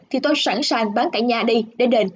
thì tôi sẵn sàng bán cả nhà đi để đền